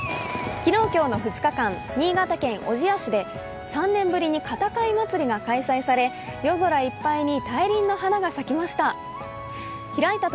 昨日、今日の２日間、新潟県小千谷市で３年ぶりに片貝まつりが開催され夜空いっぱいに大輪の花が咲きました。